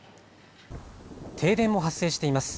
停電も発生しています。